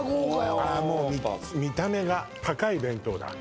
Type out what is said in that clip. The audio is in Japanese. もう見た目が高い弁当だ